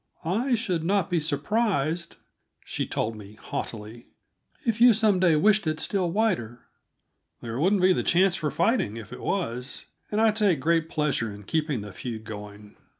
"I should not be surprised," she told me haughtily, "if you some day wished it still wider." "There wouldn't be the chance for fighting, if it was; and I take great pleasure in keeping the feud going."